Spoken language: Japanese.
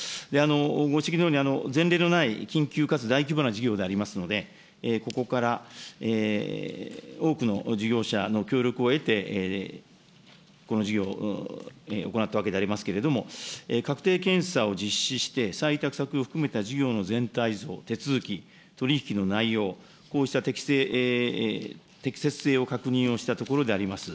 ご指摘のように、前例のない緊急かつ大規模な事業でありますので、ここから多くの事業者の協力を得て、この事業を行ったわけであります、けれども、確定検査を実施して、再委託先を含めた全体像、手続き、取り引きの内容、こうした適性、適切性を確認したところであります。